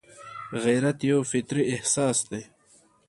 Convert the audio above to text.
غیرت یو فطري احساس دی